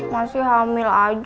masih hamil aja